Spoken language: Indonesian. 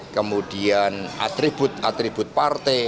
kemudian atribut atribut partai